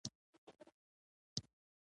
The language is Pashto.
خټکی باید په سایه کې وساتل شي.